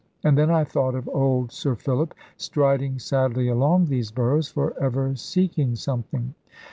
And then I thought of old Sir Philip, striding sadly along these burrows, for ever seeking something.